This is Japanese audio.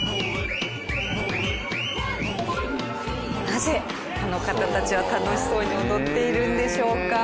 なぜこの方たちは楽しそうに踊っているんでしょうか？